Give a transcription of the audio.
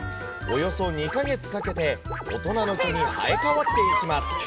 およそ２か月かけて、大人の毛に生え変わっていきます。